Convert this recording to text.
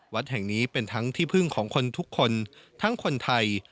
วัดแห่งนี้เป็นทั้งที่พึ่งของคนทุกคนทั้งคนไทย